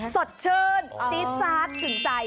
สดเชิญจี๊ดจ้าสุดใจ